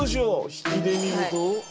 引きで見ると。